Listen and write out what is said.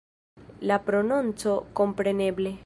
La prononco, kompreneble.